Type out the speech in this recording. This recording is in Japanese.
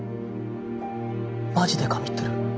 マジで神ってる。